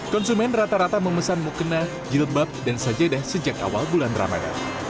konsumen rata rata memesan mukena jilbab dan sajadah sejak awal bulan ramadan